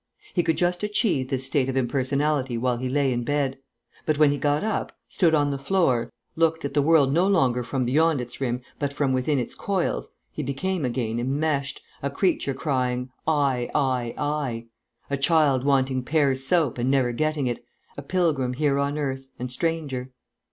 He could just achieve this state of impersonality while he lay in bed. But when he got up, stood on the floor, looked at the world no longer from beyond its rim but from within its coils, he became again enmeshed, a creature crying "I, I, I," a child wanting Pears' soap and never getting it, a pilgrim here on earth and stranger.